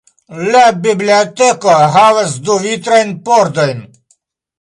La biblioteko havas du vitrajn pordojn.